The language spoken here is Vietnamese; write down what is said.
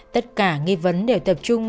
tất cả nghi vấn đều tập trung